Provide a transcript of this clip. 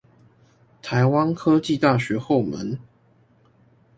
臺灣科技大學後門